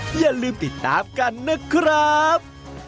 อย่าลืมติดตามกันนะครับ